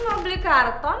loh bu cuma beli karton